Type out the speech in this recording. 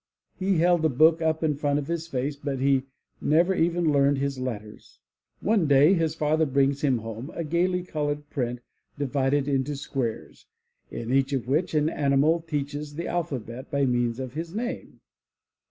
he held a book up in front of his face but he never even learned his letters! One day his father brings him home a gaily colored print, divided into squares, in each of which an animal teaches the alpha bet by means of his name.